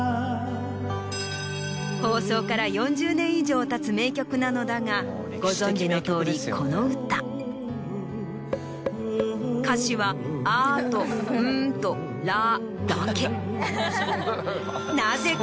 放送から４０年以上たつ名曲なのだがご存じのとおりこの歌歌詞は「アー」と「ンー」と「ラー」だけ。